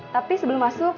tapi sebelum masuk